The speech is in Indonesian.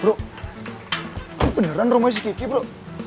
bro beneran rumah shikiki bro